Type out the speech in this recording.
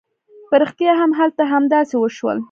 په رښتيا هم هلته همداسې وشول.